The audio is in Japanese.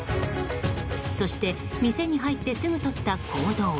そして、店に入ってすぐとった行動。